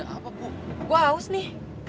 ada apa bu gue haus nih